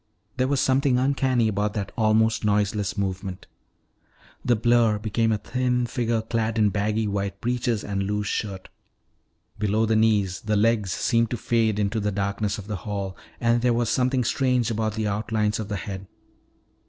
There was something uncanny about that almost noiseless movement. The blur became a thin figure clad in baggy white breeches and loose shirt. Below the knees the legs seemed to fade into the darkness of the hall and there was something strange about the outlines of the head.